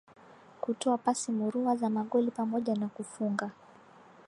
kutoa pasi murua za magoli pamoja na kufunga